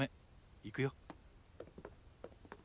行くよ。